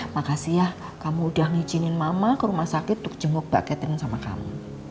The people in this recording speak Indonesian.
makasih ya kamu udah ngizinin mama ke rumah sakit untuk jenguk mbak catin sama kamu